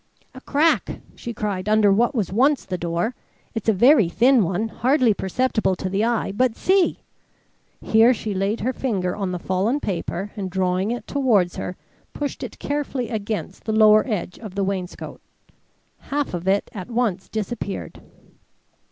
"A crack!" she cried, "under what was once the door. It's a very thin one, hardly perceptible to the eye. But see!" Here she laid her finger on the fallen paper and drawing it towards her, pushed it carefully against the lower edge of the wainscot. Half of it at once disappeared.